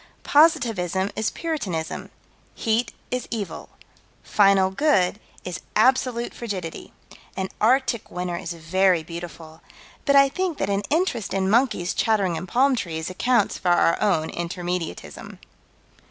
Positivism is Puritanism. Heat is Evil. Final Good is Absolute Frigidity. An Arctic winter is very beautiful, but I think that an interest in monkeys chattering in palm trees accounts for our own Intermediatism.